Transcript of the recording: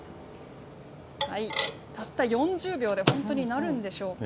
たった４０秒で、本当になるんでしょうか。